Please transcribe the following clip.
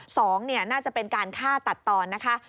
สองเนี่ยน่าจะเป็นการฆ่าตัดตอนนะคะ